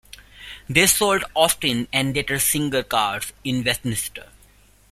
They sold Austin and later Singer cars, in Westminster.